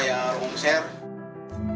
bagaimana cara membuatnya lebih baik